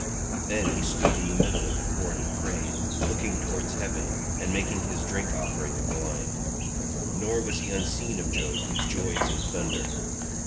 Then he stood in the middle of the court and prayed, looking towards heaven, and making his drink offering of wine; nor was he unseen of Jove whose joy is in thunder.